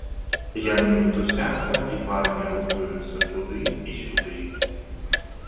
Яны мітусяцца і парамі рухаюцца туды і сюды.